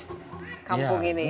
bahtiar adalah seorang pegiat ekowisata